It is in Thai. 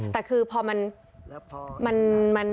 แต่คือพอมัน